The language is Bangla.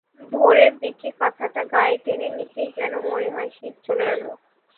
ভোরের দিকে কাঁথাটা গায়ে টেনে নিতেই যেন মনে হয়, শীত চলে এল।